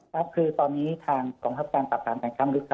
ครับคือตอนนี้ทางกองทับการปราบปราบการค้ามนุษย์